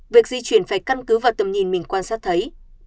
việc di chuyển phải căn cứ vào tầm nhìn mình quan sát thấy